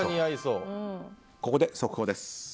ここで速報です。